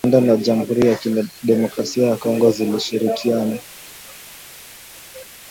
Rwanda na Jamhuri ya kidemokrasia ya Kongo zilishirikiana